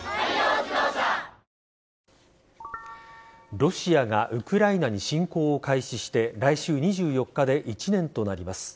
ロシアがウクライナに侵攻を開始して来週２４日で１年となります。